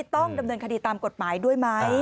ต้องดำเนินคดีตามกฎหมายด้วยไหม